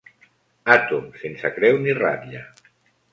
Àtom sense creu ni ratlla.